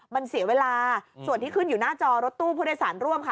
มันเสียเวลาส่วนที่ขึ้นอยู่หน้าจอรถตู้ผู้โดยสารร่วมค่ะ